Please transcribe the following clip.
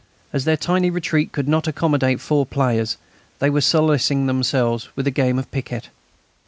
As their tiny retreat could not accommodate four players, they were solacing themselves with a game of piquet.